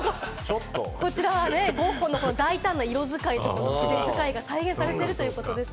こちらはゴッホの大胆な色使い、筆使いが再現されているということですよ。